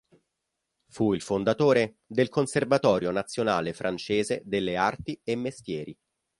Fu il fondatore del Conservatorio nazionale francese delle arti e mestieri.